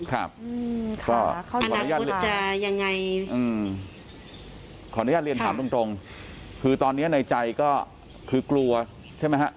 ครับขออนุญาตเลียนถามแรงตรงคือตอนนี้ในใจก็คือกลัวใช่ไหมครับ